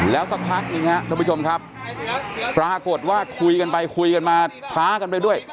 แล้วสักพักหนึ่งครับท่านผู้ชมครับปรากฏว่าคุยกันไปคุยกันมาท้ากันไปด้วย